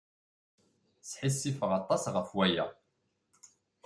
Sḥissifeɣ aṭas ɣef waya!